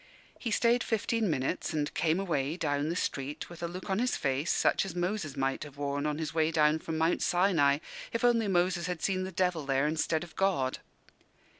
He stayed fifteen minutes and came away, down the street, with a look on his face such as Moses might have worn on his way down from Mount Sinai, if only Moses had seen the devil there, instead of God.